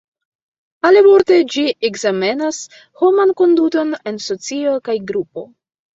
Alivorte, ĝi ekzamenas homan konduton en socio kaj grupo.